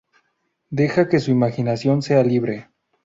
Deja que su imaginación sea libre.